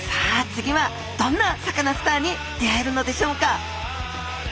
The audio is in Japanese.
次はどんなサカナスターに出会えるのでしょうか？